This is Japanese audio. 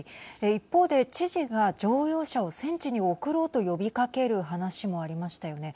一方で知事が乗用車を戦地に送ろうと呼びかける話もありましたよね。